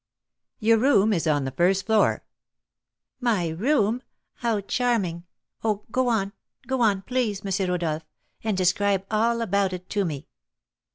"Your room is on the first floor " "My room! how charming! Oh, go on go on, please, M. Rodolph, and describe all about it to me!"